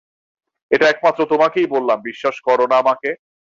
এটা একমাত্র তোমাকেই বললাম বিশ্বাস করো না আমাকে?